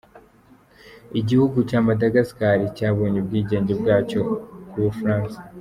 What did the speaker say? Iguhugu cya Madagascar cyabonye ubwigenge bwacyo ku Bufaransa.